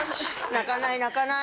泣かない泣かない。